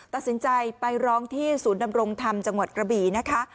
ตัดสินใจไปร้องที่ศูนย์ดำรงธรรมจังหวัดกระบี่นะคะ